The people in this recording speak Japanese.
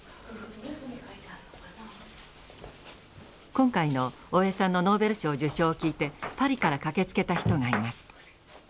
今回の大江さんのノーベル賞受賞を聞いてパリから駆けつけた人がいます。